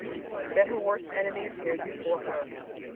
Then her worst enemy appeared before her.